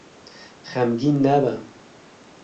Xemgîn nebe.